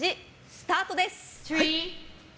スタートです。